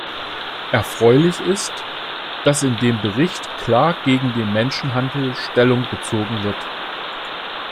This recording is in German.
Erfreulich ist, dass in dem Bericht klar gegen den Menschenhandel Stellung bezogen wird.